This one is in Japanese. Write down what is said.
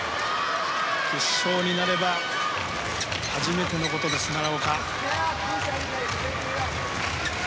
決勝になれば初めてのことです、奈良岡。